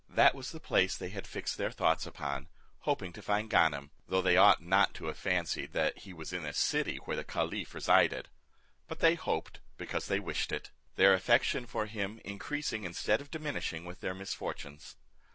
That was the place they had fixed their thoughts upon, hoping to find Ganem, though they ought not to have fancied that he was in a city where the caliph resided; but they hoped, because they wished it; their affection for him increasing instead of diminishing, with their misfortunes.